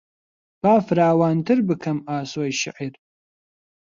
با فراوانتر بکەم ئاسۆی شێعر